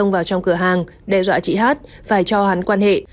vào trong cửa hàng đe dọa chị hát phải cho hắn quan hệ